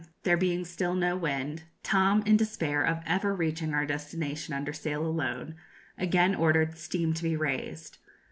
there being still no wind, Tom, in despair of ever reaching our destination under sail alone, again ordered steam to be raised.